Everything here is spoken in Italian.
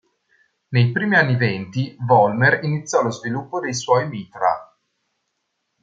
Nei primi anni venti, Vollmer iniziò lo sviluppo dei suoi mitra.